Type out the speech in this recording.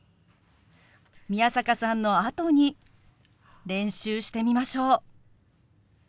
宮坂さんのあとに練習してみましょう。